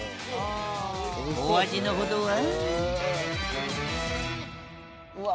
お味のほどは？